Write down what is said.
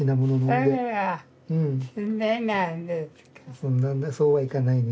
そんなそうはいかないね。